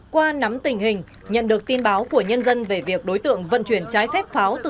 qua nắm tình hình nhận được tin báo của nhân dân về việc đối tượng vận chuyển trái phép pháo từ